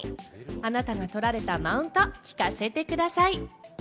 あなたが取られたマウントを聞かせてください。